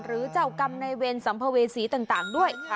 หรือเจ้ากรรมในเวรสัมภเวษีต่างด้วย